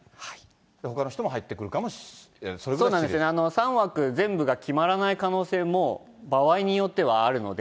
ほかの人も入ってくる可能性そうですね、３枠全部が決まらない可能性も場合によってはあるので。